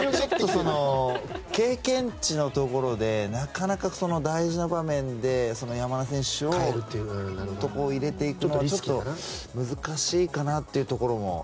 経験値のところでなかなか大事な場面で山根選手を入れていくのはちょっと難しいかなというところも。